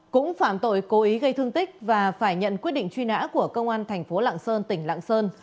cũng phạm tội cố ý gây thương tích và phải nhận quyết định truy nã của công an thành phố lạng sơn tỉnh lạng sơn